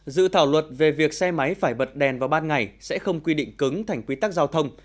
dự thảo luật về việc xe máy phải bật đèn vào ban ngày sẽ không quy định cứng thành quy tắc giao thông